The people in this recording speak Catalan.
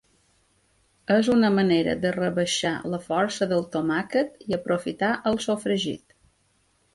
És una manera de rebaixar la força del tomàquet i aprofitar el sofregit.